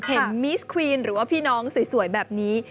มิสควีนหรือว่าพี่น้องสวยแบบนี้